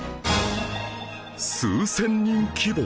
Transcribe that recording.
数千人規模！